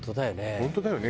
「本当だよね」